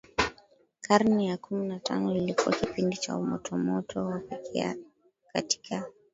Karne ya kumi na tano ilikuwa kipindi cha umotomoto wa pekee katika